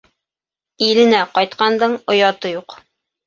Иленә ҡайтҡандың ояты юҡ.